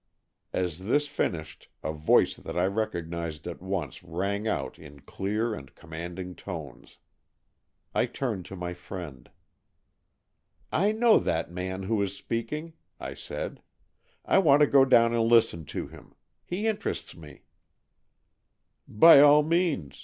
As this finished, a voice that I recognized at once rang out in clear and commanding tones. I turned to my friend. '' I know that man who is speaking,'' I said. " I want to go down and listen to him. He interests me." " By all means.